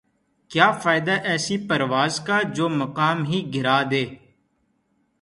کیا فائدہ ایسی پرواز کا جومقام ہی گِرادے